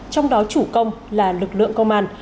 trong đó chủ công là lực lượng công an